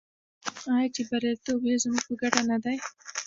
آیا چې بریالیتوب یې زموږ په ګټه نه دی؟